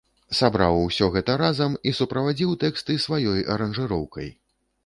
Сабраў усё гэта разам і суправадзіў тэксты сваёй аранжыроўкай.